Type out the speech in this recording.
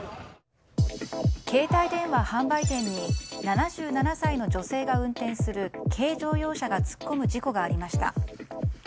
携帯電話販売店に７７歳の女性が運転する軽乗用車が突っ込む事故がありました。